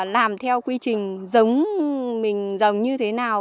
làm theo quy trình giống mình như thế nào